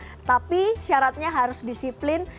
tetapi syaratnya harus disiplin